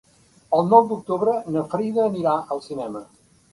El nou d'octubre na Frida anirà al cinema.